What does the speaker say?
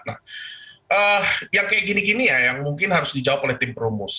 nah yang kayak gini gini ya yang mungkin harus dijawab oleh tim perumus